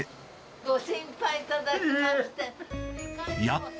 ご心配いただきまして。